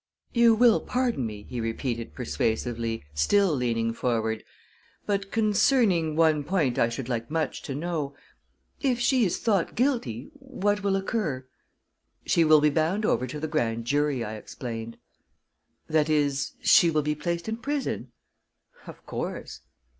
"You will pardon me," he repeated persuasively, still leaning forward, "but concer rning one point I should like much to know. If she is thought guilty what will occur?" "She will be bound over to the grand jury," I explained. "That is, she will be placed in prison?" "Of course."